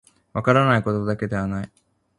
分からないことだけではない